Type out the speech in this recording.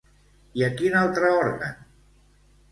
I a quin altre òrgan?